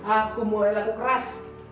aku mulai laku keras